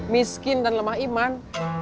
miskin dan lemah iman